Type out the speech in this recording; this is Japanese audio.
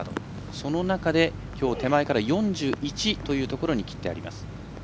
その中できょう手前から４１というところに切ってあります。